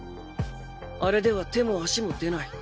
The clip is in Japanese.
あれでは手も足も出ない。